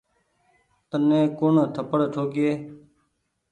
تني ڪوڻ ٿپڙ ٺوڪيئي ۔